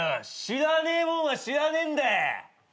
知らねえもんは知らねえんだよ！